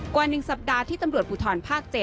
กว่าหนึ่งสัปดาห์ที่ตำรวจผู้ถอนภาค๗